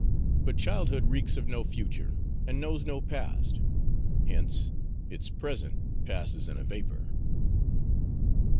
But childhood reeks of no future, and knows no past; hence, its present passes in a vapor."